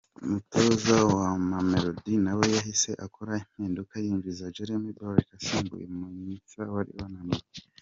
Umutoza wa Mamelodi nawe yahise akora impinduka yinjiza Jeremy Brockie asimbuye Manyisa wari wananiwe.